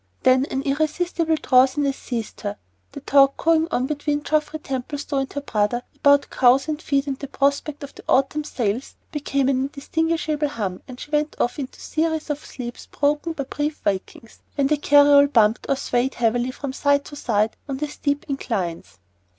Then an irresistible drowsiness seized her; the talk going on between Geoffrey Templestowe and her brother, about cows and feed and the prospect of the autumn sales, became an indistinguishable hum, and she went off into a series of sleeps broken by brief wakings, when the carryall bumped, or swayed heavily from side to side on the steep inclines.